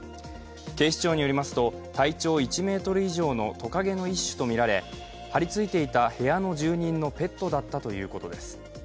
警視庁によりますと体長１ｍ以上のトカゲの一種とみられ張りついていた部屋の住人のペットだったということです。